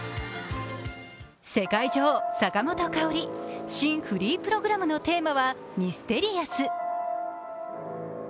世界女王・坂本花織新フリープログラムのテーマはミステリアス。